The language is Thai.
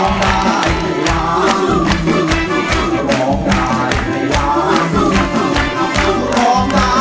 ร้องได้ให้ล้าน